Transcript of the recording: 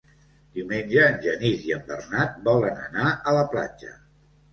Diumenge en Genís i en Bernat volen anar a la platja.